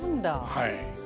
はい。